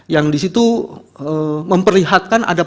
yang di situ memperlihatkan ada